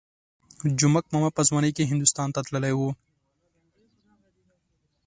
جومک ماما په ځوانۍ کې هندوستان ته تللی وو.